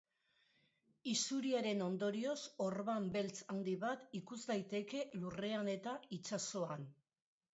Isuriaren ondorioz, orban beltz handi bat ikus daiteke lurrean eta itsasoan.